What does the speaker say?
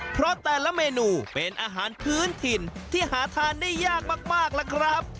เพราะแต่ละเมนูเป็นอาหารพื้นถิ่นที่หาทานได้ยากมากล่ะครับ